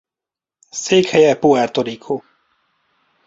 Székhelye Puerto Rico.